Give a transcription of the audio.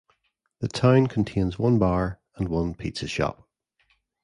The town contains one bar and one pizza shop.